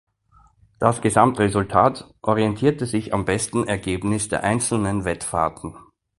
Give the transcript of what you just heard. Das Gesamtresultat orientierte sich am besten Ergebnis der einzelnen Wettfahrten.